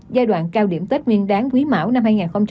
giai đoạn cao điểm tết nguyên đáng quý mão năm hai nghìn hai mươi